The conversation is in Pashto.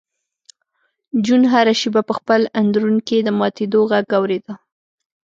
جون هره شېبه په خپل اندرون کې د ماتېدو غږ اورېده